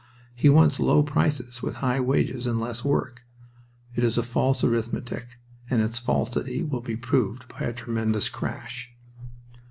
He wants low prices with high wages and less work. It is false arithmetic and its falsity will be proved by a tremendous crash.